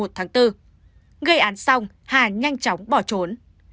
tháng bốn gây án xong hà nhanh chóng bỏ trốn